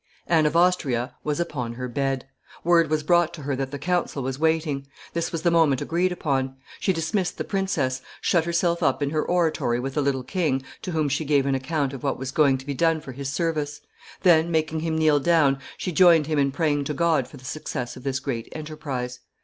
Anne of Austria was upon her bed; word was brought to her that the council was waiting; this was the moment agreed upon; she dismissed the princess, shut herself up in her oratory with the little king, to whom she gave an account of what was going to be done for his service; then, making him kneel down, she joined him in praying to God for the success of this great enterprise.